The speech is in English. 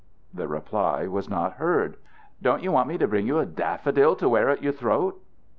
The reply was not heard. "Don't you want me to bring you a daffodil to wear at your throat?"